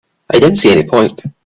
I didn't see any point.